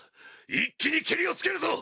一気にケリをつけるぞ！